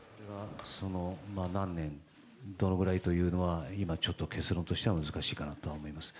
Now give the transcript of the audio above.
何年、どのくらいというのは今ちょっと結論としては難しいかなと思います